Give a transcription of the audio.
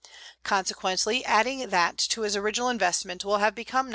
Consequently, adding that to his original investment which will have become $92.